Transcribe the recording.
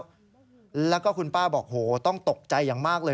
เจอของคุณป้าตกใจอย่างมากเลย